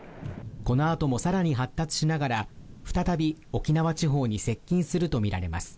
このあともさらに発達しながら再び沖縄地方に接近すると見られます